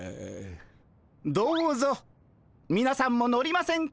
どうぞみなさんも乗りませんか？